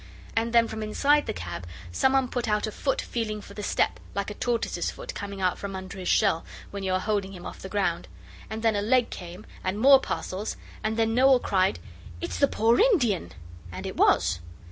And then from inside the cab some one put out a foot feeling for the step, like a tortoise's foot coming out from under his shell when you are holding him off the ground, and then a leg came and more parcels, and then Noel cried 'It's the poor Indian!' And it was.